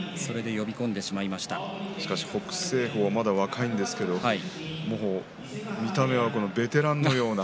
北青鵬は若いんですけど見た目はベテランのような。